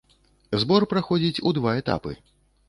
Збор праходзіць у два этапы.